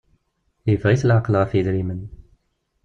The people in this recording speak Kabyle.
Yeffeɣ-it laɛqel ɣef idrimen.